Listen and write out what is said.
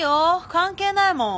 関係ないもん。